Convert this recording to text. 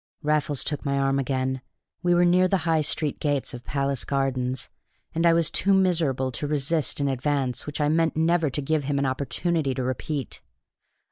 Raffles took my arm again. We were near the High Street gates of Palace Gardens, and I was too miserable to resist an advance which I meant never to give him an opportunity to repeat.